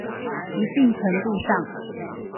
一定程度上